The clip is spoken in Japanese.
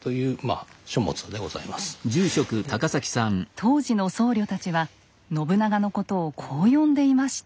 当時の僧侶たちは信長のことをこう呼んでいました。